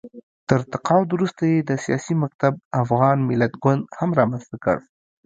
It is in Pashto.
تر تقاعد وروسته یې د سیاسي مکتب افغان ملت ګوند هم رامنځته کړ